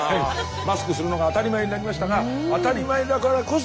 マスクするのが当たり前になりましたが当たり前だからこそ